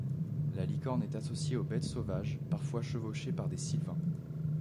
La licorne est associée aux bêtes sauvages, parfois chevauchée par des sylvains.